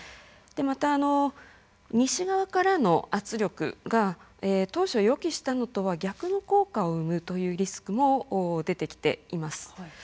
また西側からの圧力が当初予期したのとは逆の効果を生むというリスクも出てきています。